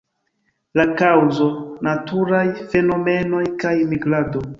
La kaŭzo: naturaj fenomenoj kaj migrado.